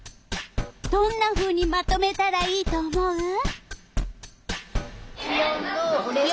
どんなふうにまとめたらいいと思う？